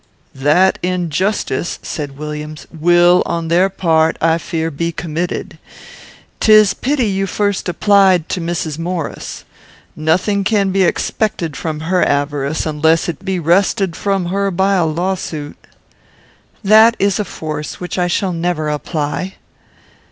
"That injustice," said Williams, "will, on their part, I fear, be committed. 'Tis pity you first applied to Mrs. Maurice. Nothing can be expected from her avarice, unless it be wrested from her by a lawsuit." "That is a force which I shall never apply."